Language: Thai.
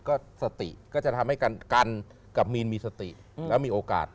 ก็สติก็จะทำให้กันกับมีนมีสติแล้วมีโอกาส